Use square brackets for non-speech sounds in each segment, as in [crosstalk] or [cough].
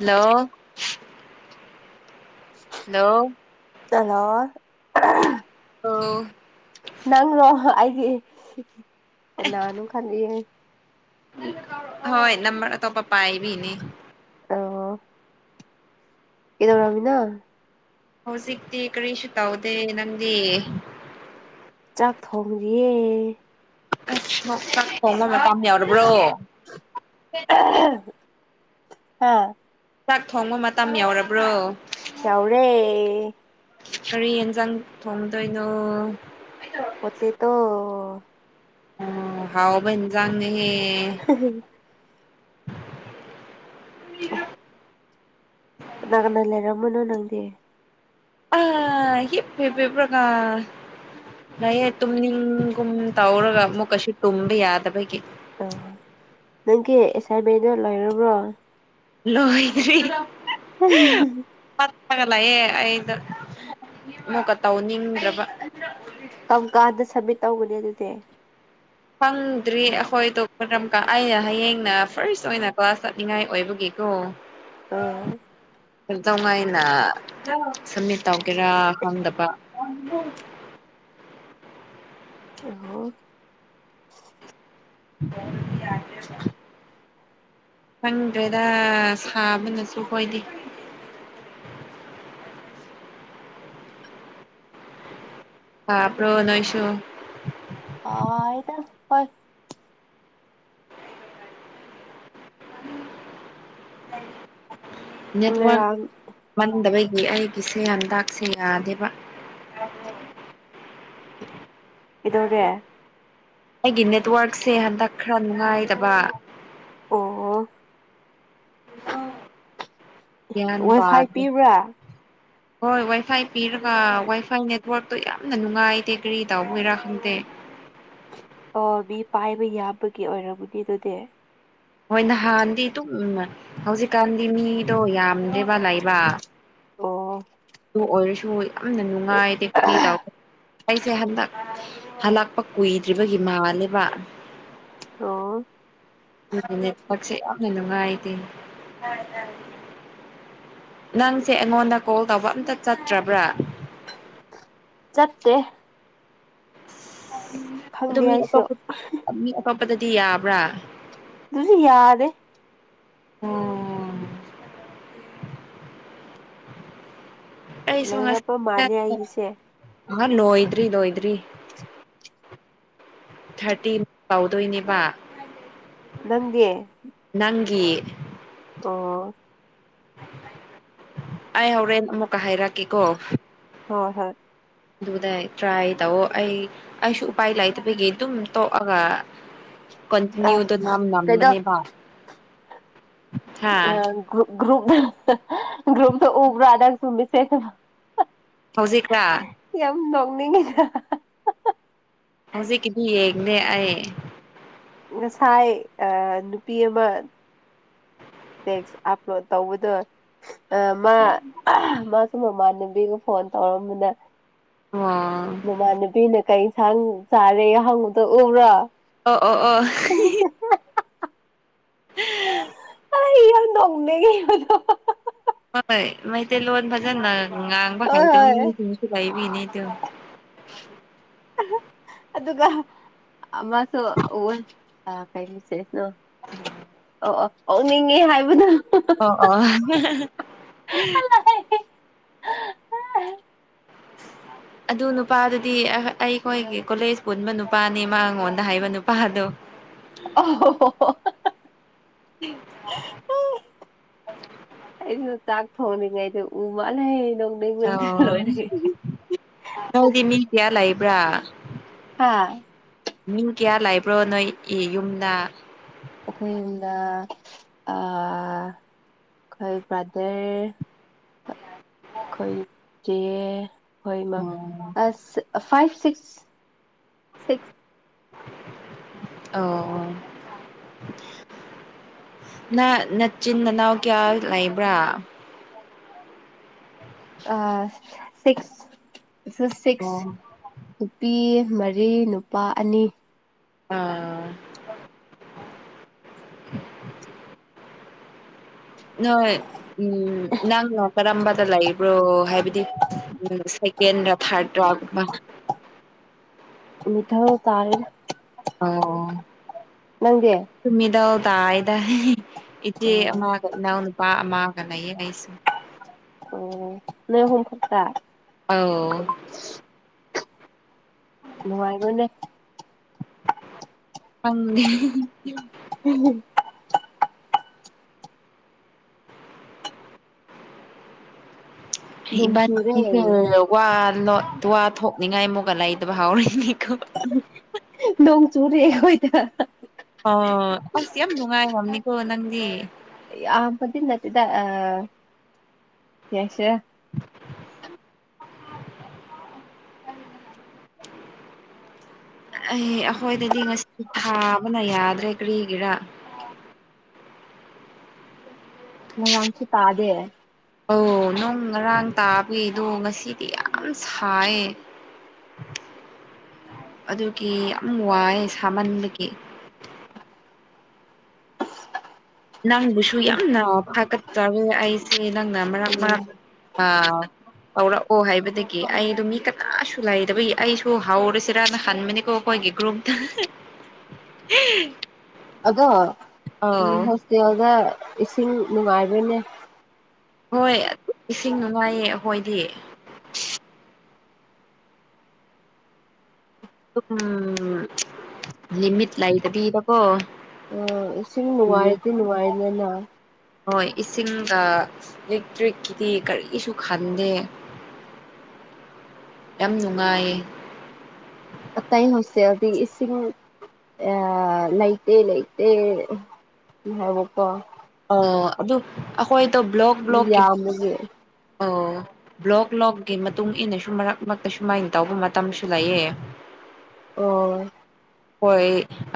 Hello [inaudible] ꯂꯣ [unintelligible] ꯑꯣ ꯅꯪꯔ ꯑꯩꯒꯤ ꯀꯅꯥꯅꯣ ꯈꯟꯗꯤꯌꯦ ꯍꯣꯏ ꯅꯝꯕꯔ ꯑꯇꯣꯞꯄ ꯄꯥꯏꯕꯤꯅꯤ ꯑꯣ ꯀꯩꯗꯧꯔꯝꯃꯤꯅꯣ ꯍꯧꯖꯤꯛꯇꯤ ꯀꯔꯤꯁꯨ ꯇꯧꯗꯦ ꯅꯪꯗꯤ ꯆꯥꯛ ꯊꯣꯡꯔꯤꯌꯦ ꯆꯥꯛ ꯊꯣꯡꯕ ꯃꯇꯝ ꯌꯥꯎꯔꯕ꯭ꯔꯣ ꯍꯥꯥ ꯆꯥꯛ ꯊꯣꯡꯕ ꯃꯇꯝ ꯌꯧꯔꯕ꯭ꯔꯣ ꯌꯧꯔꯦ ꯀꯔꯤ ꯌꯦꯟꯖꯥꯡ ꯊꯣꯡꯗꯣꯏꯅꯣ ꯄꯣꯇꯦꯇꯣ ꯑ ꯍꯥꯎꯕ ꯑꯦꯟꯖꯥꯡꯅꯦꯍꯦ [unintelligible] [inaudible] ꯀꯅꯥ ꯀꯅꯥ ꯂꯩꯔꯝꯃꯅꯣ ꯅꯪꯗꯤ ꯑ ꯍꯤꯞ ꯍꯤꯞꯄꯦꯕ꯭ꯔꯒ ꯂꯩꯌꯦ ꯇꯨꯝꯅꯤꯡꯒꯨꯝ ꯇꯧꯔꯒ ꯑꯃꯨꯛꯀꯁꯨ ꯇꯨꯝꯕ ꯌꯥꯗꯕꯒꯤ ꯑꯣ ꯅꯪꯒꯤ ꯑꯦꯁꯥꯏꯟꯃꯦꯟꯗꯣ ꯂꯣꯏꯔꯕ꯭ꯔꯣ ꯂ‌ꯣꯏꯗ꯭ꯔꯤ [unintelligible] ꯄꯠꯂꯒ ꯂꯥꯛꯑꯦ ꯑꯩꯗ ꯑꯃꯨꯛꯀ ꯇꯧꯅꯤꯡꯗ꯭ꯔꯥꯕ ꯑꯅꯤꯔꯛ ꯎꯗ꯭ꯔꯤ ꯀꯝ ꯀꯥꯟꯗ ꯁꯕꯃꯤꯠ ꯇꯧꯒꯅꯤ ꯑꯗꯨꯗꯤ ꯈꯪꯗ꯭ꯔꯤ ꯑꯩꯈꯣꯏꯗꯣ ꯀꯔꯝ ꯀꯥꯟ ꯑꯩꯅ ꯍꯌꯦꯡꯅ ꯐꯥꯔꯁ ꯑꯣꯏꯅ ꯀ꯭ꯂꯥꯁ ꯆꯠꯅꯤꯡꯉꯥꯏ ꯑꯣꯏꯕꯒꯤ ꯀꯣ ꯑꯥ ꯀꯩꯗꯧꯉꯩꯅ ꯁꯝꯃꯤꯠ ꯇꯧꯒꯦꯔꯥ ꯈꯪꯗꯕ ꯑꯣ [unintelligible] ꯈꯪꯗ꯭ꯔꯦꯗ ꯁꯥꯕꯅꯁꯨ ꯈ‌ꯣꯏꯗꯤ ꯁꯥꯕ꯭ꯔ‌ꯣ ꯅꯣꯏꯁꯨ ꯁꯥꯏꯗ ꯍ‌ꯣꯏ ꯅꯦꯠꯋꯥꯛ ꯉꯔꯥꯡ ꯃꯟꯗꯕꯒꯤ ꯑꯩꯒꯤꯁꯦ ꯍꯟꯗꯥꯛꯁꯦ ꯌꯥꯗꯦꯕ [unintelligible] ꯀꯩꯗꯧꯔꯦ ꯑꯩꯒꯤ ꯅꯦꯠꯋꯥꯛꯁꯦ ꯍꯟꯗꯛ ꯈꯔ ꯅꯨꯡꯉꯥꯏꯇꯕ ꯑꯣ ꯌ‌ꯦꯡꯉꯟꯕ ꯋꯥꯏꯐꯥꯏ ꯑꯗꯨ ꯄꯤꯕ꯭ꯔꯥ ꯍꯣꯏ ꯋꯥꯏ ꯐꯥꯏ ꯄꯤꯔꯒ ꯋꯥꯏ ꯐꯥꯏ ꯅꯦꯠꯋꯥ‍꯭ꯔꯛꯇꯣ ꯌꯥꯝꯅ ꯅꯨꯡꯉꯥꯏꯇꯦ ꯀꯔꯤ ꯇꯧꯕꯒꯤꯔꯥ ꯈꯪꯗꯦ ꯑꯣ ꯃꯤ ꯄꯥꯏꯕ ꯌꯥꯕꯒꯤ ꯑꯣꯏꯔꯝꯃꯅꯤ ꯑꯗꯨꯗꯤ ꯍꯣꯏ ꯅꯍꯥꯟꯗꯤ ꯑꯗꯨꯝ ꯍꯧꯖꯤꯛꯀꯥꯟꯗꯤ ꯃꯤꯗꯣ ꯌꯥꯝꯗꯦꯕ ꯂꯩꯕ ꯑꯣ ꯑꯗꯨ ꯑꯣꯏꯔꯁꯨ ꯌꯥꯝꯅ ꯅꯨꯡꯉꯥꯏꯇꯦ ꯀ꯭ꯔꯤ ꯇꯧ ꯑꯩꯁꯦ ꯍꯟꯗꯛ ꯍꯜꯂꯛꯄ ꯀꯨꯏꯗ꯭ꯔꯤꯕꯒꯤ ꯃꯥꯜꯂꯦꯕ ꯑꯣ ꯑꯗꯨꯕꯨꯅꯦ ꯄ‌ꯣꯠꯁꯦ ꯌꯥꯝꯅ ꯅꯨꯡꯉꯥꯢꯇꯦ ꯅꯪꯁꯦ ꯑꯩꯉꯣꯟꯗ ꯀꯣꯜ ꯇꯧꯕ ꯑꯝꯇ ꯆꯠꯇ꯭ꯔꯕ꯭ꯔꯥ ꯆꯠꯇꯦ ꯑꯗꯨ ꯈꯪꯗꯦ ꯃꯤ ꯑꯩꯁꯨ ꯑꯇꯣꯞꯄ ꯃꯤ ꯑꯇꯣꯞꯄꯗꯗꯤ ꯌꯥꯕ꯭ꯔꯥ ꯗꯨꯗꯤ ꯌꯥꯗꯦ ꯑꯣ ꯑꯩꯁꯨ ꯉꯁꯤ ꯂꯣꯏꯔꯕ ꯃꯥꯜꯂꯦ ꯑꯩꯒꯤꯁꯦ ꯑ [unintelligible] ꯂꯣꯏꯗ꯭ꯔꯤ ꯂꯣꯏꯗ꯭ꯔꯤ ꯊ꯭ꯔꯇꯤꯟ ꯇꯧꯗꯣꯏꯅꯦꯕ ꯅꯪꯗꯤ ꯅꯪꯒꯤ ꯑꯣ ꯑꯩ ꯍꯣꯔꯦꯟ ꯑꯃꯨꯛꯀ ꯍꯥꯏꯔꯛꯀꯦꯀꯣ ꯍꯣꯏ ꯍꯣꯏ ꯑꯗꯨꯗ ꯇ꯭ꯔꯥꯏ ꯇꯧꯑꯣ ꯑꯩ ꯑꯩꯁꯨ ꯎꯄꯥꯏ ꯂꯩꯇꯕꯒꯤ ꯑꯗꯨꯝ ꯇꯣꯛꯑꯒ ꯑ ꯀ‌ꯟꯇꯤꯅ꯭ꯌꯨꯗ ꯅꯝ ꯀꯩꯅꯣ ꯅꯝꯕꯅꯦꯕ ꯍꯥ ꯎꯝ ꯒ꯭ꯔꯨꯞ ꯒ꯭ꯔꯨꯞ ꯒ꯭ꯔꯨꯞꯇ ꯎꯕ꯭ꯔꯥ ꯅꯪꯁꯨ ꯃꯦꯁꯦꯖ ꯃꯌꯥꯝ ꯍꯧꯖꯤꯛꯂꯥ ꯌꯥꯝ ꯅꯣꯛꯅꯤꯡꯉꯤꯗ ꯍꯧꯖꯤꯛꯀꯤꯗꯤ ꯌꯦꯡꯗ‌ꯦ ꯑꯩ ꯉꯁꯥꯏ ꯑ ꯅꯨꯄꯤ ꯑꯃ ꯇꯦꯛꯁ ꯑꯞꯂꯣꯗ ꯇꯧꯕꯗꯣ ꯑ ꯃꯥ ꯃꯥꯁꯨ ꯃꯃꯥꯟꯅꯕꯤꯒ ꯐꯣꯟ ꯇꯧꯔꯝꯕꯅꯦ ꯎꯝ ꯃꯃꯥꯟꯕꯤꯅ ꯀꯩ ꯏꯟꯁꯥꯡ ꯆꯥꯔꯦ ꯍꯪꯕꯗꯨ ꯎꯕ꯭ꯔꯥ ꯑꯣ ꯑꯣ ꯑꯣ ꯑꯩ ꯌꯥꯝ ꯅꯣꯛꯅꯤꯡꯉꯦ ꯑꯗꯣ ꯍꯣꯏ ꯃꯩꯇꯩꯂꯣꯟ ꯐꯖꯅ ꯉꯥꯡꯕ ꯍꯣꯏ ꯍꯩꯇꯕ ꯍꯣꯏ ꯃꯤꯁꯤꯡꯁꯨ ꯂꯩꯕꯤꯅꯤꯗꯣ ꯑꯗꯨꯒ ꯑꯃꯁꯨ ꯎꯌꯦ ꯑ ꯀꯩ ꯃꯦꯁꯦꯖꯅꯣ ꯑꯣ ꯑꯣ ꯑꯣꯛꯅꯤꯡꯉꯦ ꯍꯥꯏꯕꯗꯣ ꯑꯣ ꯑꯣ [unintelligible] ꯑꯗꯨ ꯅꯨꯄꯥꯗꯨꯗꯤ ꯑꯍ ꯑꯩꯈꯣꯏꯒꯤ ꯀꯣꯂꯦꯖ ꯄꯨꯟꯕ ꯅꯨꯄꯥꯅꯤ ꯃꯥꯉꯣꯟꯗ ꯍꯥꯏꯕ ꯅꯨꯄꯥꯗꯣ ꯑꯣ [unintelligible] ꯑꯩꯁꯨ ꯆꯥꯛ ꯊꯣꯡꯅꯤꯡꯉꯩꯗꯣ ꯎ ꯃꯥꯜꯂꯦ ꯅꯪ ꯑ ꯅꯪꯗꯤ ꯃꯤ ꯀꯌꯥ ꯂꯩꯥꯕ꯭ꯔꯥ ꯍꯥꯥ ꯃꯤ ꯀꯌꯥ ꯂꯩꯕ꯭ꯔꯣ ꯅꯣꯏ ꯏ ꯌꯨꯝꯗ ꯑꯩꯈꯣꯏ ꯌꯨꯝꯗ ꯑ ꯑꯈꯣꯏ ꯕ꯭ꯔꯥꯗꯔ ꯑꯩꯈꯣꯏ ꯆꯦ ꯍꯣꯏ ꯃ ꯑꯣ ꯑꯁ ꯐꯥꯏꯚ ꯁꯤꯛꯁ ꯁꯤꯛꯁ ꯑꯣ ꯅ ꯅꯆꯤꯟ ꯅꯅꯥꯎ ꯀꯌꯥ ꯂꯩꯕ꯭ꯔꯥ ꯑ ꯁꯤꯛꯁ ꯁꯨ ꯁꯤꯛꯁ ꯑꯣ ꯅꯨꯄꯤ ꯃꯔꯤ ꯅꯨꯄꯥ ꯑꯅꯤ ꯑꯥ [unintelligible] ꯅꯣꯏ ꯎꯝ ꯅꯪꯅ ꯀꯔꯝꯕꯗ ꯂꯩ ꯕ꯭ꯔꯣ ꯍꯥꯏꯕꯗꯤ ꯎꯝ ꯁꯦꯀꯦꯟꯔ ꯊꯥꯔꯗ꯭ꯔꯥꯒꯨꯝꯕ ꯃꯤꯊꯧ ꯇꯥꯔꯦꯗ ꯑꯣ ꯅꯪꯗꯤ ꯁꯨ ꯃꯤꯗꯜ ꯇꯥꯏꯗ ꯏꯆꯦ ꯎꯝ ꯑꯃꯒ ꯏꯅꯥꯎ ꯅꯨꯄꯥ ꯑꯃꯒ ꯂꯩꯌꯦ ꯑꯩꯁꯨ ꯑꯣ ꯅꯣꯏ ꯑꯍꯨꯝ ꯈꯛꯇ ꯑꯥꯎ ꯅꯨꯡꯉꯥꯏꯕꯅꯦ ꯑꯪꯗꯦ [unintelligible] ꯅꯣꯡ ꯆꯨꯔꯦ ꯏꯕꯥꯅꯤꯁꯦ ꯋꯥ ꯂꯣꯠ ꯋꯥ ꯊꯣꯛꯅꯤꯡꯉꯥꯏ ꯑꯃꯨꯛꯀ ꯂꯩꯇꯕ ꯍꯥꯎꯔꯦꯅꯦꯀꯣ ꯅꯣꯡ ꯆꯨꯔꯦ ꯑꯍꯣꯏꯗ ꯑꯣ ꯑꯁ ꯌꯥꯝ ꯅꯨꯡꯉꯥꯏꯔꯝꯅꯤꯀꯣ ꯅꯟꯗꯤ ꯌꯥꯝꯕꯗꯤ ꯅꯠꯇꯦꯗ ꯑ ꯀꯩ ꯍꯥꯏꯁꯤꯔ [unintelligible] ꯑꯩ ꯑꯈꯣꯏꯗꯗꯤ ꯉꯁꯤꯗꯤ ꯊꯥꯕꯅ ꯌꯥꯗ꯭ꯔꯦ ꯀꯔꯤꯒꯤꯔꯥ ꯉꯔꯥꯡꯁꯨ ꯇꯥꯗꯦ ꯑꯧ ꯅꯣꯡ ꯉꯔꯥꯡ ꯇꯥꯕꯩꯗꯨ ꯉꯁꯤꯗꯤ ꯌꯥꯝ ꯁꯥꯏꯌꯦ ꯑꯗꯨꯒꯤ ꯌꯥꯝ ꯋꯥꯏ ꯁꯥꯃꯟꯕꯒꯤ ꯅꯪꯕꯨꯁꯨ ꯌꯥꯝꯅ ꯐꯥꯒꯠꯆꯔꯦ ꯑꯩꯁꯦ ꯅꯪꯅ ꯃꯔꯛ ꯎꯝ ꯃꯔꯛ ꯑꯥ ꯍꯧꯔꯛꯑꯣ ꯍꯥꯏꯕꯗꯒꯤ ꯑꯩꯗꯣ ꯃꯤ ꯀꯅꯥꯁꯨ ꯂꯩꯇꯕꯒꯤ ꯑꯩꯁꯨ ꯍꯧꯎꯔꯁꯤꯔꯅ ꯍꯟꯕꯅꯤꯀꯣ ꯑꯩꯈꯣꯏꯒꯤ ꯒ꯭ꯔꯨꯞꯇ ꯑꯗꯣ ꯑꯧ ꯍꯣꯁꯇꯦꯜꯗ ꯏꯁꯤꯡ ꯅꯨꯡꯉꯥꯏꯕ꯭ꯔꯅꯦ ꯍꯣꯏ ꯏꯁꯤꯡ ꯅꯨꯡꯉꯥꯏꯌꯦ ꯑꯈꯣꯏꯗꯤ ꯑꯗꯨꯝ ꯂꯤꯃꯤꯠ ꯂꯩꯇꯕꯤꯗꯀꯣ ꯑꯥ ꯏꯁꯤꯡ ꯄꯤꯌꯦ ꯅꯨꯡꯉꯥꯏꯔꯗꯤ ꯅꯨꯡꯉꯥꯏꯗꯅ ꯍꯣꯏ ꯏꯁꯤꯡꯒ ꯏꯂꯦꯛꯇ꯭ꯔꯤꯛꯀꯤꯗꯤ ꯀꯔꯤꯁꯨ ꯈꯟꯗꯦ ꯌꯥꯝ ꯅꯨꯡꯉꯥꯏꯌꯦ ꯑꯇꯩ ꯍꯣꯁꯇꯦꯜꯗꯤ ꯏꯁꯤꯡ ꯑꯥ ꯂꯩꯇꯦ ꯂꯩꯇꯦ ꯍꯥꯏꯕꯀꯣ ꯑꯣ ꯑꯗꯨ ꯑꯩꯈꯣꯏꯗꯣ ꯕ꯭ꯂꯣꯛ ꯃꯤ ꯕ꯭ꯂꯣꯛꯀꯤ ꯌꯥꯝꯕꯒꯤ ꯑꯣ ꯕ꯭ꯂꯣꯛ ꯕꯂꯣꯛꯀꯤ ꯃꯇꯨꯡ ꯏꯟꯅꯁꯨ ꯃꯔꯛ ꯃꯔꯛꯇ ꯁꯨꯃꯥꯏꯅ ꯇꯧꯕ ꯃꯇꯝꯁꯨ ꯂꯩꯑꯦ ꯑꯣ ꯍꯣꯏ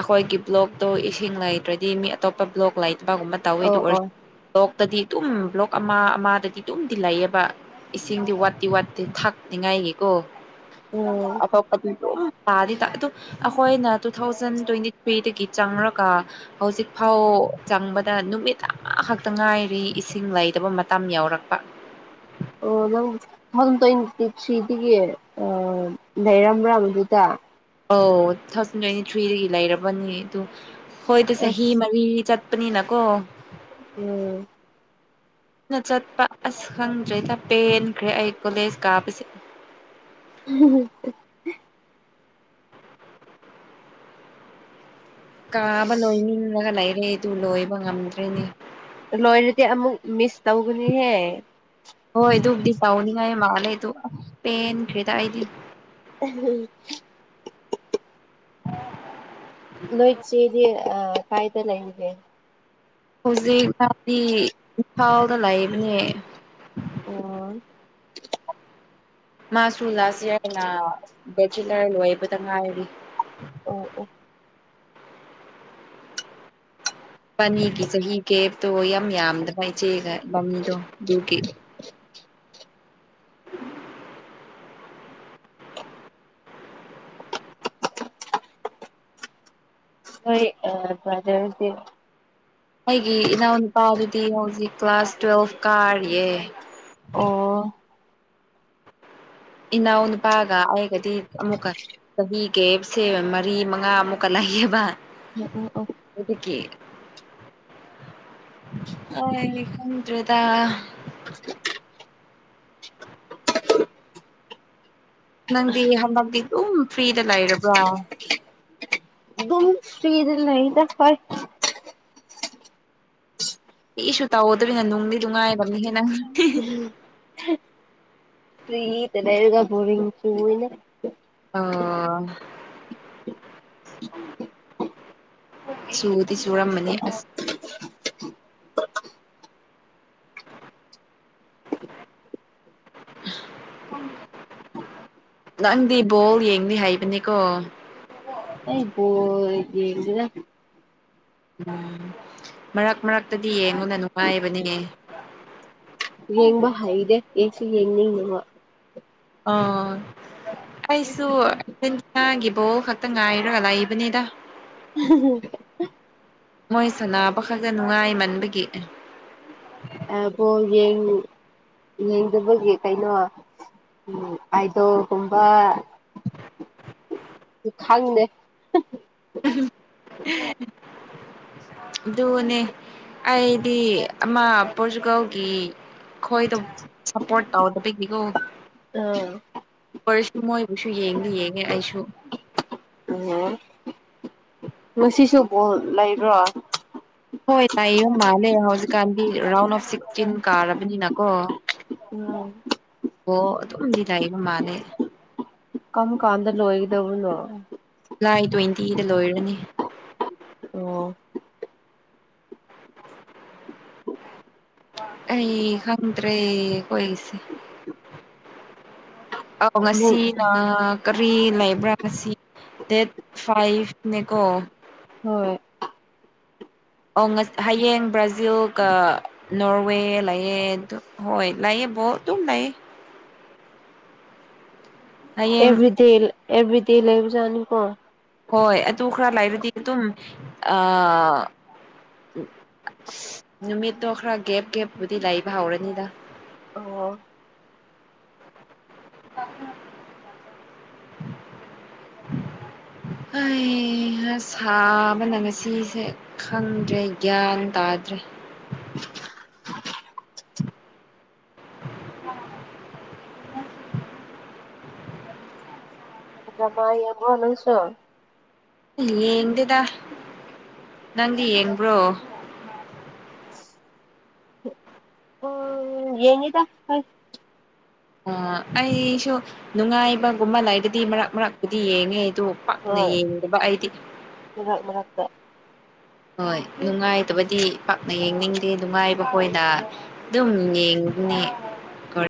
ꯑꯈꯣꯏꯒꯤ ꯕ꯭ꯂꯣꯛꯇꯣ ꯏꯁꯤꯡ ꯂꯩꯇ꯭ꯔꯗꯤ ꯃꯤ ꯑꯇꯣꯞꯄ ꯕ꯭ꯂꯣꯛ ꯂꯩꯇꯕꯒꯨꯝꯕ ꯇꯧꯋꯦ ꯑꯣ ꯑꯗꯨ ꯑꯣꯏꯔ ꯑꯣ ꯕ꯭ꯂꯣꯛꯇꯗꯤ ꯑꯗꯨꯝ ꯕ꯭ꯂꯣꯛ ꯑꯃ ꯑꯃꯗꯗꯤ ꯑꯗꯨꯝꯗꯤ ꯂꯩꯌꯦꯕ ꯏꯁꯤꯡꯗꯤ ꯋꯥꯠꯇꯤ ꯋꯥꯠꯇꯦ ꯊꯥꯛꯅꯤꯉꯥꯏꯒꯤꯀꯣ ꯎꯝ ꯑꯐ ꯑꯐꯕ ꯗꯨꯝ ꯄꯗꯤꯇꯥ ꯑꯗꯨ ꯑꯩꯈꯣꯏꯅ ꯇꯨ ꯊꯥꯎꯖꯟ ꯇ꯭ꯋꯦꯟꯇꯤ ꯊ꯭ꯔꯤꯗꯒꯤ ꯆꯪꯔꯒ ꯍꯧꯖꯤꯛ ꯐꯥꯎ ꯆꯪꯕ ꯗ ꯅꯨꯃꯤꯠ ꯑꯃꯈꯛꯇ ꯉꯥꯏꯔꯤ ꯏꯁꯤꯡ ꯂꯩꯗꯕ ꯃꯇꯝ ꯌꯎꯔꯛꯄ ꯑꯣ ꯅꯪ ꯇꯨ ꯊꯥꯎꯖꯟ ꯇ꯭ꯋꯦꯟꯇꯤ ꯊ꯭ꯔꯤꯗꯒꯤ ꯂꯩꯔꯝꯕ꯭ꯔꯥ ꯃꯗꯨꯗ ꯑꯧ ꯇꯨ ꯊꯥꯎꯖꯟ ꯇ꯭ꯋꯦꯟꯇꯤ ꯊ꯭ꯔꯤꯗꯒꯤ ꯂꯩꯔꯕꯅꯤ ꯑꯗꯨ ꯍꯣꯏꯗ ꯆꯍꯤ ꯑꯁ ꯃꯔꯤ ꯆꯠ ꯄꯅꯤꯅꯅꯥꯀꯣ ꯎꯝ ꯑꯩꯅ ꯆꯠꯄ ꯑꯁ ꯈꯪꯗ꯭ꯔꯦꯗ ꯄꯦꯟꯈ꯭ꯔꯦ ꯑꯩ ꯀꯣꯂꯦꯖ ꯀꯥꯕꯁꯦ ꯎꯝ ꯀꯥꯕ ꯂꯣꯏꯅꯤꯡꯔꯒ ꯂꯩꯔꯦ ꯑꯗꯨ ꯂꯣꯏꯕ ꯉꯝꯗ꯭ꯔꯦꯅꯦ ꯂꯣꯏꯔꯗꯤ ꯑꯃꯨꯛ ꯃꯤꯁ ꯇꯧꯒꯅꯤꯍꯦ ꯍꯣꯏ ꯑꯗꯨꯕꯨꯗꯤ ꯄꯥꯎꯅꯤꯡꯉꯥꯏ ꯃꯥꯜꯂꯦ ꯑꯗꯨ ꯄꯦꯟꯈꯔꯦꯗ ꯑꯩꯗꯤ ꯝ ꯑꯣ ꯅꯣꯏꯆꯤꯗꯤ ꯑꯥ ꯀꯥꯏꯗ ꯂꯩꯒꯦ ꯍꯧꯖꯤꯛ ꯐꯥꯎꯗꯤ ꯏꯝꯐꯥꯜꯗ ꯂꯩꯕꯅꯦ ꯑꯣ ꯃꯥꯁꯨ ꯂꯥꯁ ꯏꯌꯥꯔꯅ ꯕꯦꯆꯤꯂꯔ ꯂꯣꯏꯕꯗ ꯉꯥꯏꯔꯤ ꯑꯣ ꯑꯣ ꯏꯕꯥꯅꯤꯒꯤ ꯆꯍꯤ ꯒꯦꯞꯇꯣ ꯌꯥꯝ ꯌꯥꯝꯗꯕ ꯏꯆꯦꯒ ꯏ ꯑꯗꯨꯒꯤ [unintelligible] ꯎ ꯅꯣꯏ ꯑꯥ ꯕꯔ꯭ꯗꯔꯁꯗꯤ ꯑꯩꯒꯤ ꯏꯅꯥꯎꯅꯨꯄꯥꯗꯨꯗꯤ ꯍꯧꯖꯤꯛ ꯀ꯭ꯂꯥꯁ ꯇꯨꯋꯦꯜꯐ ꯀꯥꯔꯤꯌꯦ ꯑꯣ ꯏꯅꯥꯎꯅꯨꯄꯥꯒ ꯑꯩꯒꯗꯤ ꯑꯃꯨꯛꯀ ꯆꯍꯤ ꯒꯦꯞꯁꯦ ꯃꯔꯤ ꯃꯉꯥ ꯑꯃꯨꯛꯀ ꯂꯩꯌꯦꯕ꯫ ꯑꯣ ꯑꯣ ꯑꯣ ꯑꯗꯨꯒꯤ ꯑꯩ ꯈꯪꯗ꯭ꯔꯦꯗ [unintelligible] ꯅꯪꯗꯤ ꯍꯟꯗꯛꯇꯤ ꯑꯗꯨꯝ ꯐ꯭ꯔꯤꯗ ꯂꯩꯔꯕ꯭ꯔꯣ? ꯗꯨꯝ ꯐꯔꯤꯗꯤ ꯂꯩꯗ ꯍꯣꯏ꯫ ꯍ ꯀ꯭ꯔꯤꯁꯨ ꯇꯧꯗ꯭ꯔꯤꯅ ꯅꯨꯡꯗꯤ ꯅꯨꯡ ꯉꯥꯏꯕꯅꯤ ꯍꯦꯟꯅ ꯐꯔꯤꯗ ꯂꯩꯔꯒ ꯕꯣꯔꯤꯡ ꯆꯨꯏꯋꯦꯅꯦ꯫ ꯑꯣ ꯆꯨ ꯗꯤ ꯆꯨꯔꯝꯃꯅꯤ ꯑꯁ [unintelligible] [unintelligible] ꯅꯪꯗꯤ ꯕꯣꯜ ꯌꯦꯡꯅꯤ ꯍꯥꯏꯕꯅꯤꯀꯣ꯫ ꯑꯩ ꯕꯣꯜ ꯌꯦꯡꯗꯦꯗ ꯎꯝ ꯃꯔꯛ ꯃꯔꯛꯇꯗꯤ ꯌꯦꯡꯉꯨꯅꯦ ꯅꯨꯡꯉꯥꯏꯕꯅꯦ ꯌꯦꯡꯕ ꯍꯩꯗꯦ ꯌꯦꯡꯁꯨ ꯌꯦꯡꯅꯤꯡꯗꯕ꯫ ꯑꯣ ꯑꯩꯁꯨ ꯑꯔꯖꯦꯟꯇꯤꯅꯥꯒꯤ ꯕꯣꯜ ꯈꯛꯇ ꯉꯥꯏꯔꯒ ꯂꯩꯕꯅꯤꯗ꯫ ꯎ ꯃꯣꯏ ꯁꯥꯟꯅꯕ ꯈꯛꯇ ꯅꯨꯡꯉꯥꯏꯃꯟꯕꯒꯤ ꯑꯦ ꯑ ꯕꯣꯜ ꯌꯦꯡꯅꯤꯡꯗꯕꯒꯤ ꯀꯩꯅꯣ ꯎꯝ ꯑꯗꯣꯜꯒꯨꯝꯕ [unintelligible] ꯈꯪꯗꯦ ꯑꯗꯨꯒꯅꯦ ꯑꯩꯗꯤ ꯑꯃ ꯄꯣꯔꯆꯨꯒꯜꯒꯤ ꯈꯣꯏꯗꯧ ꯁꯞꯄꯣꯔꯠ ꯇꯧꯗꯕꯤꯒꯤꯀꯣ ꯑ ꯑꯣꯏꯁ ꯃꯣꯏꯕꯨꯁꯨ ꯌꯦꯡꯗꯤ ꯌꯦꯡꯉ ꯉꯦ ꯑꯩꯁꯨ ꯎꯝ ꯉꯁꯤꯁꯨ ꯕꯣꯜ ꯂꯩꯕ꯭ꯔꯣ? ꯍꯣꯏ ꯂꯩꯕ ꯃꯥꯜꯂꯦ ꯍꯧꯖꯤꯛꯀꯥꯟꯗꯤ ꯔꯥꯎꯟ ꯑꯣꯐ ꯁꯤꯛꯁꯇꯤꯟ ꯀꯥꯔꯕꯅꯤꯅꯀꯣ ꯎꯝ ꯕꯣꯜ ꯑꯗꯨꯝꯗꯤ ꯂꯩꯕ ꯃꯥꯜꯂꯦ꯫ ꯀꯝ ꯀꯥꯟꯗ ꯂꯣꯏꯒꯗꯧꯕꯅꯣ? ꯂꯥꯏ ꯇ꯭ꯋꯦꯟꯇꯤꯗ ꯂꯣꯏꯔꯅꯤ꯫ ꯑꯣ ꯑꯩ ꯈꯪꯗ꯭ꯔꯦ ꯈꯣꯏꯒꯤꯁꯦ ꯑꯣ ꯃꯣꯏ ꯉꯁꯤꯒ ꯀꯔꯤ ꯂꯩꯕ꯭ꯔꯥ ꯉꯁꯤ ꯗꯦꯠ ꯐꯥꯏꯚꯅꯦꯀꯣ ꯍꯣꯏ ꯑꯣ ꯉ ꯍꯌꯦꯡ ꯕ꯭ꯔꯥꯖꯤꯜꯒ ꯅꯣꯔꯋꯦ ꯂꯩꯌꯦ ꯗꯨ ꯍꯣꯏ ꯂꯩꯌꯦ ꯕꯣꯜ ꯑꯗꯨꯝ ꯂꯩꯌꯦ꯫ ꯍꯌꯦꯡ ꯑꯦꯚ꯭ꯔꯤꯗꯦ ꯑꯦꯚ꯭ꯔꯤꯗꯦ ꯂꯩꯕꯖꯥꯠꯅꯤꯀꯣ꯫ ꯍꯣꯏ ꯑꯗꯨ ꯈꯔ ꯂꯩꯔꯗꯤ ꯑꯗꯨꯝ ꯑ ꯎꯝ ꯁ ꯅꯨꯃꯤꯠꯇꯣ ꯈꯔ ꯒꯦꯞ ꯒꯦꯞꯄꯨꯗꯤ ꯂꯩꯕ ꯍꯧꯔꯅꯤꯗ ꯑꯣ꯫ [inaudible] ꯑꯩ ꯍꯥ ꯁꯥꯕꯅ ꯉꯁꯤꯁꯦ꯫ ꯈꯪꯗ꯭ꯔꯦ ꯒ꯭ꯌꯥꯟ ꯇꯥꯗ꯭ꯔꯦ꯫ [unintelligible] [unintelligible] ꯗ꯭ꯔꯃꯥ ꯌꯦꯡꯕ꯭ꯔꯣ ꯅꯪꯁꯨ꯫ ꯌꯦꯡꯗꯦꯗ ꯅꯪꯗꯤ ꯌꯦꯡꯕ꯭ꯔꯣ꯫ ꯑꯣ ꯌꯦꯉꯤꯗ ꯍꯣꯏ ꯑ ꯑꯩꯁꯨ ꯅꯨꯡꯉꯥꯏꯕꯒꯨꯝꯕ ꯂꯩꯔꯗꯤ ꯃꯔꯛ ꯃꯔꯛꯄꯨꯗꯤ ꯌꯦꯡꯉꯦ ꯑꯗꯨ ꯄꯥꯛꯅ ꯍꯣꯏ ꯌꯦꯡꯗꯕ ꯑꯩꯗꯤ ꯃꯔꯛ ꯃꯔꯛꯇ ꯍꯣꯏ ꯅꯨꯡꯉꯥꯏꯇꯕꯗꯤ ꯄꯥꯛꯅ ꯌꯦꯡꯅꯤꯡꯗꯦ ꯅꯨꯡꯉꯥꯏꯕ ꯑꯣꯏꯅ ꯑꯗꯨꯝ ꯌꯦꯡꯕꯅꯦ꯫